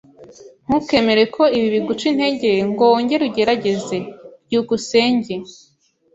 Ntukemere ko ibi biguca intege ngo wongere ugerageze. byukusenge